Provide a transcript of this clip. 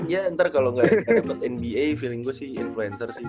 ya ntar kalau nggak dapat nba feeling gue sih influencer sih